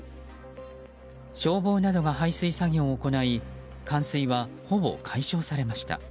消防などが排水作業を行い冠水はほぼ解消されました。